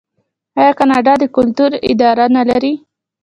آیا کاناډا د کلتور اداره نلري؟